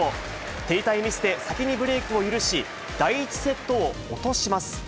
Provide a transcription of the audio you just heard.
手痛いミスで先にブレークを許し、第１セットを落とします。